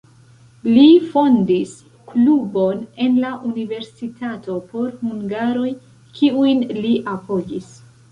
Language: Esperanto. Li fondis klubon en la universitato por hungaroj, kiujn li apogis.